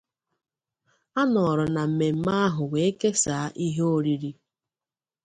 A nọrọ na mmemme ahụ wee kesàá ihe oriri